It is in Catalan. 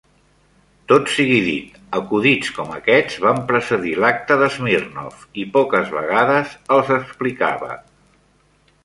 Tot sigui dit, acudits com aquests van precedir l'acte de Smirnoff, i poques vegades els explicava.